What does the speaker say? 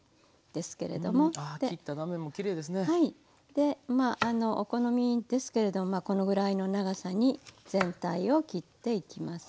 でまあお好みですけれどもこのぐらいの長さに全体を切っていきます。